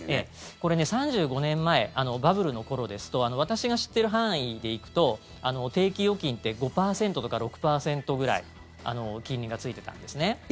これ、３５年前バブルの頃ですと私が知ってる範囲で行くと定期預金って５％とか６％ぐらい金利がついてたんですね。